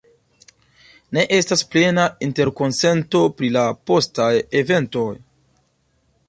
Ne estas plena interkonsento pri la postaj eventoj.